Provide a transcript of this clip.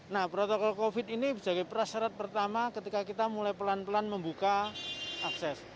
nah protokol covid ini sebagai prasyarat pertama ketika kita mulai pelan pelan membuka akses